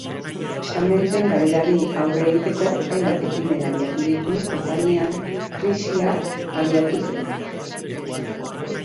Salmenten galerari aurre egiteko hainbat ekimen abiatu ditu konpainiak, krisia abiatu zenetik.